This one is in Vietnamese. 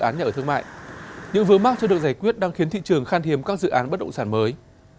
những vướng mắc chưa được giải quyết đang khiến thị trường khan hiếm các dự án bất động sản mới